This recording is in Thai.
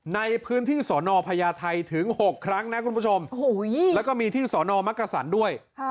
ในพื้นที่สอนอพญาไทยถึง๖ครั้งนะคุณผู้ชมแล้วก็มีที่สอนอมักกษันด้วย